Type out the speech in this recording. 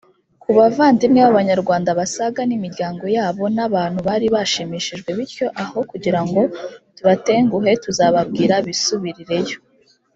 ku bavandimwe b abanyarwanda basaga n imiryango yabo n abantu bari bashimishijwe bityo aho kugirango tubatenguhe tuzababwira bisubirireyo